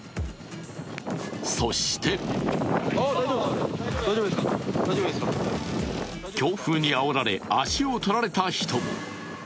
そして強風にあおられ足を取られた人も。